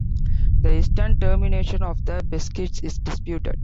The eastern termination of the Beskids is disputed.